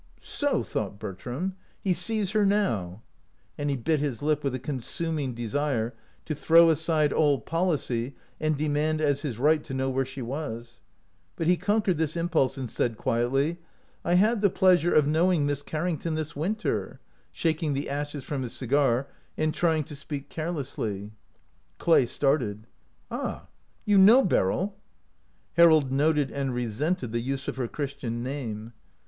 "So," thought Bertram, "he sees her now," and he bit his lip with a consuming desire to throw aside all policy and demand as his right to know where she was. But he conquered this impulse, and said, quietly :" I had the pleasure of knowing Miss 190 OUT OF BOHEMIA Carrington this winter," shaking the ashes from his cigar and trying to speak carelessly. Clay started. "Ah, you know Beryl ?" Harold noted and resented the use of her Christian name.